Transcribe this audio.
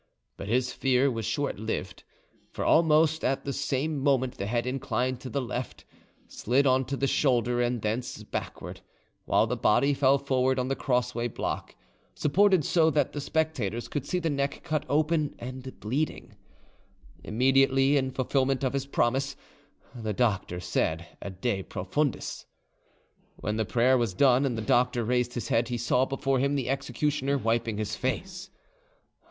But his fear was short lived, for almost at the same moment the head inclined to the left, slid on to the shoulder, and thence backward, while the body fell forward on the crossway block, supported so that the spectators could see the neck cut open and bleeding. Immediately, in fulfilment of his promise, the doctor said a De Profundis. When the prayer was done and the doctor raised his head, he saw before him the executioner wiping his face.